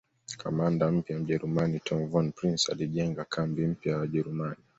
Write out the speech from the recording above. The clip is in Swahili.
Kamanda mpya Mjerumani Tom Von Prince alijenga kambi mpya ya Wajerumani